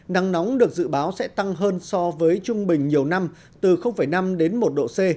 nắng nóng được dự báo sẽ tăng hơn so với trung bình nhiều năm từ năm đến một độ c